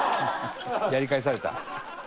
やり返された。